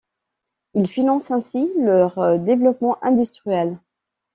Ils financent ainsi leur développement industriel.